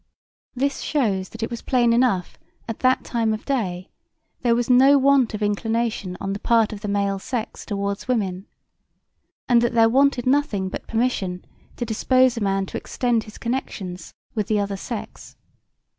This shews that it was plain enough at that time of day there was no want of inclination on the part of the male sex toward [women] and that there wanted nothing but permission to dispose a man to extend his connections with the other sex.